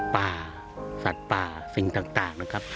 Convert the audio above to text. ป่าสัตว์ป่าสิ่งต่างนะครับ